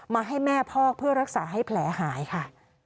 มาให้แม่พ่อเพื่อรักษาให้แผลหายค่ะ